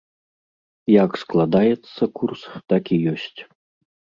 Як складаецца курс, так і ёсць.